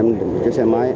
một chiếc xe máy